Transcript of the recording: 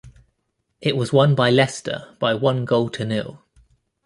It was won by Leicester by one goal to nil.